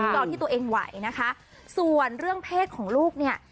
รอที่ตัวเองไหวนะคะส่วนเรื่องเพศของลูกเนี่ย